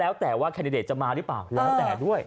แล้วแต่ว่าแคนดิเดตจะมาหรือเปล่าแล้วแต่ด้วย